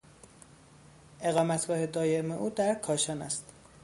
اقامتگاه دایم او در کاشان است.